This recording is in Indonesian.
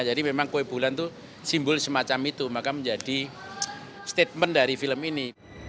jadi memang kue bulan itu simbol semacam itu maka menjadi statement dari film ini